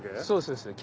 そうです